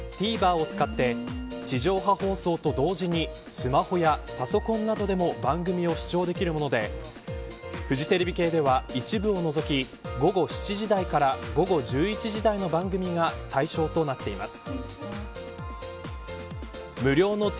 ＴＶｅｒを使って地上波放送と同時にスマホやパソコンなどでも番組が視聴できるものでフジテレビ系では一部を除き午後７時台から午後１１時台の番組が対象となっています。